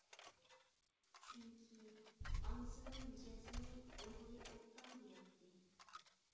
چۈنكى، ئانىسىنىڭ مىجەزىنى ئوغلى ئوبدان بىلەتتى.